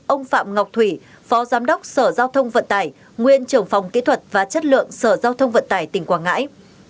tám ông phạm ngọc thủy phó giám đốc sở giao thông vận tải nguyên trưởng phòng kỹ thuật và chất lượng sở giao thông vận tải tỉnh quảng ngãi